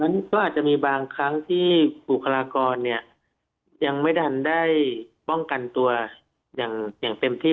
ฉะก็อาจจะมีบางครั้งที่บุคลากรเนี่ยยังไม่ทันได้ป้องกันตัวอย่างเต็มที่